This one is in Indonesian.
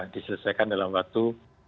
diselesaikan dalam waktu